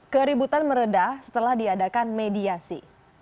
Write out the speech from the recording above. keributan meredah setelah diadakan mediasi